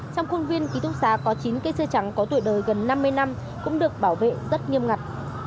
trong khuôn viên ký túc xá có chín cây tre trắng có tuổi đời gần năm mươi năm cũng được bảo vệ rất nghiêm ngặt